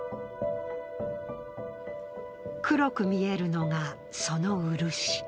黒く見えるのが、その漆。